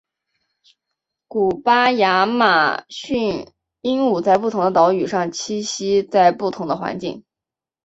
古巴亚马逊鹦鹉在不同的岛屿上栖息在不同的环境。